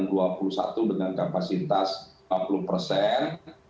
dua puluh satu dengan kapasitas lima puluh persen